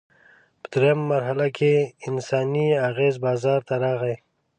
په درېیمه مرحله کې انساني اغېز بازار ته راغی.